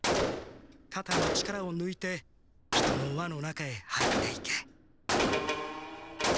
かたの力をぬいて人の輪の中へ入っていけ。